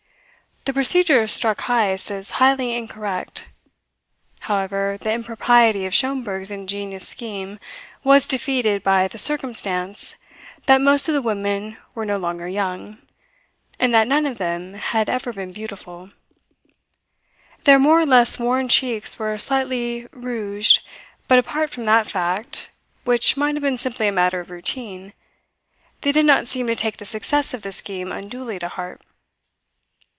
The procedure struck Heyst as highly incorrect. However, the impropriety of Schomberg's ingenious scheme was defeated by the circumstance that most of the women were no longer young, and that none of them had ever been beautiful. Their more or less worn cheeks were slightly rouged, but apart from that fact, which might have been simply a matter of routine, they did not seem to take the success of the scheme unduly to heart.